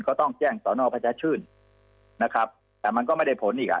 ก็ต้องแจ้งสอนอประชาชื่นนะครับแต่มันก็ไม่ได้ผลอีกอ่ะ